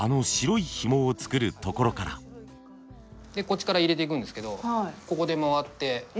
こっちから入れていくんですけどここで回って。